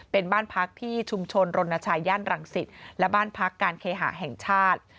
เป็นบ้านพักที่ชุมชนรณชายย่านรังสิตและบ้านพักการเคหาแห่งชาติ